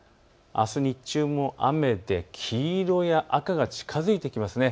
あす日中も雨で黄色や赤が近づいてきます。